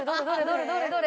どれ？